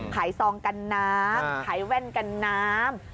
ซองกันน้ำขายแว่นกันน้ำ